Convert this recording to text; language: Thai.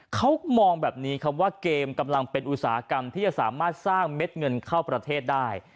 เขามองแบบนี้ครับว่าเกมกำลังเป็นอุตสาหกรรมที่จะสามารถสร้างเม็ดเงินเข้าประเทศได้